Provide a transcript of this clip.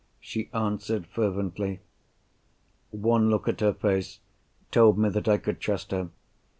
she answered fervently. One look at her face told me that I could trust her.